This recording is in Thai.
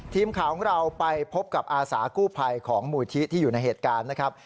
ทีมข่าวของเราไปพบกับอาสากู้ภัยของมูลที่ที่อยู่ในเหตุการณ์นะครับ